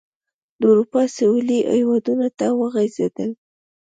د اروپا سوېلي هېوادونو ته وغځېدل.